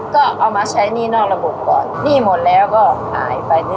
ขายได้ตั้งมาเท่าไหร่